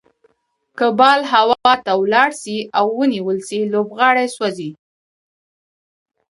که بال هوا ته ولاړ سي او ونيول سي؛ لوبغاړی سوځي.